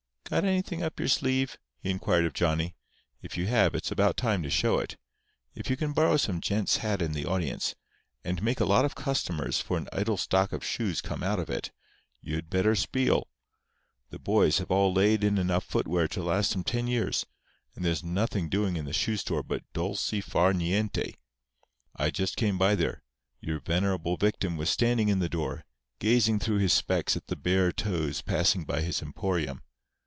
"Got anything up your sleeve?" he inquired of Johnny. "If you have it's about time to show it. If you can borrow some gent's hat in the audience, and make a lot of customers for an idle stock of shoes come out of it, you'd better spiel. The boys have all laid in enough footwear to last 'em ten years; and there's nothing doing in the shoe store but dolcy far nienty. I just came by there. Your venerable victim was standing in the door, gazing through his specs at the bare toes passing by his emporium.